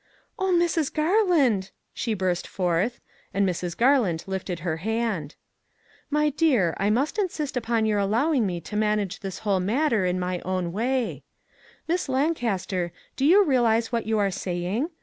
" Oh, Mrs. Garland !" she burst forth, and Mrs. Garland lifted her hand. " My dear, I must insist upon your allowing me to manage this whole matter in my own 382 "THE EXACT TRUTH" way. Miss Lancaster, do you realize what you are saying?